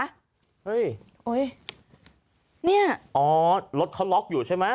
เฮ้ยเนี่ยอ๋อรถเขาล็อกอยู่ใช่ไหม